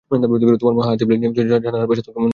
তোমার মা হাতে প্লেট নিয়ে জানালার পাশে থাকত, মনে আছে?